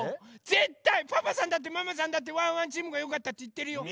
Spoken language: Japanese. ぜったいパパさんだってママさんだってワンワンチームがよかったっていってるよ。